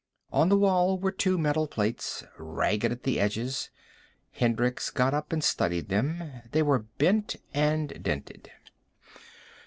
On the wall were two metal plates, ragged at the edges. Hendricks got up and studied them. They were bent and dented.